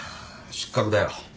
失格だよ。